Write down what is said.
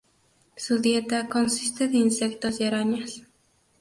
Su dieta consiste de insectos y arañas.